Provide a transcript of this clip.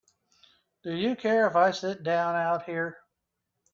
Do you care if I sit down out here?